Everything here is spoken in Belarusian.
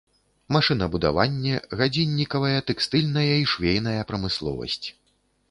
Машынабудаванне, гадзіннікавая, тэкстыльная і швейная прамысловасць.